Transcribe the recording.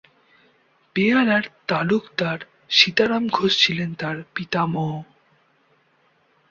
বেহালার তালুকদার সীতারাম ঘোষ ছিলেন তার পিতামহ।